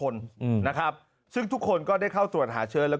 แล้วก็ข่อยกลับมาตรวจเลย